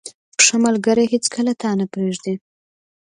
• ښه ملګری هیڅکله تا نه پرېږدي.